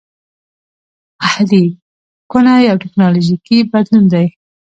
اهلي کونه یو ټکنالوژیکي بدلون دی